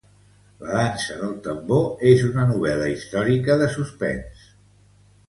La Danza del Tambor és una novel·la històrica de suspens.